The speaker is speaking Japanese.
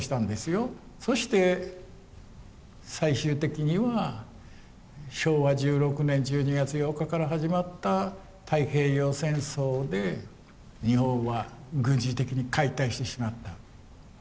そして最終的には昭和１６年１２月８日から始まった太平洋戦争で日本は軍事的に解体してしまった。